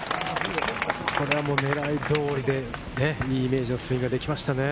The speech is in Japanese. これは狙い通りで、良いイメージのスイングが出ましたね。